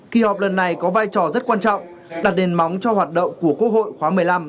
kỳ họp lần này có vai trò rất quan trọng đặt nền móng cho hoạt động của quốc hội khóa một mươi năm